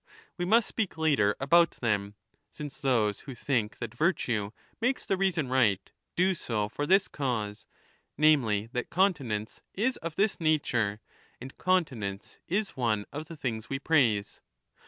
We must speak later about them,^ since those who think that virtue makes the reason right, do so for this cause — namely, that continence is of this nature and continence is one of the things we praise.